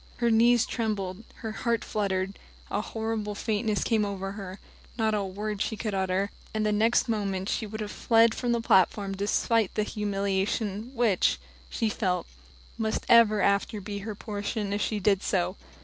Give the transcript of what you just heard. Her knees trembled, her heart fluttered, a horrible faintness came over her; not a word could she utter, and the next moment she would have fled from the platform despite the humiliation which, she felt, must ever after be her portion if she did so.